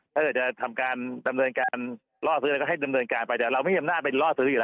ถ้าเกิดจะทำการดำเนินการล่อซื้ออะไรก็ให้ดำเนินการไปแต่เราไม่มีอำนาจไปล่อซื้ออยู่แล้ว